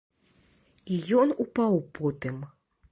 І ён упаў потым.